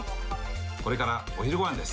これからお昼ごはんです。